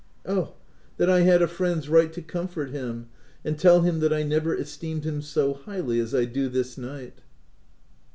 Oh, that I had a friend's right to comfort him, and tell him that I never esteemed him so highly as I do this night